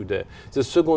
dễ dàng hơn